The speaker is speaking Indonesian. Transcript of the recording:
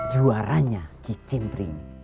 juaranya kicim pring